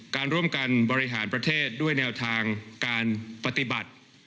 การร่วมกันบริหารประเทศด้วยแนวทางการปฏิบัติ